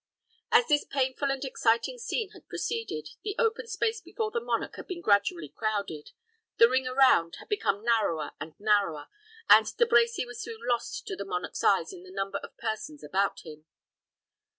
As this painful and exciting scene had proceeded, the open space before the monarch had been gradually crowded, the ring around had become narrower and narrower, and De Brecy was soon lost to the monarch's eyes in the number of persons about him.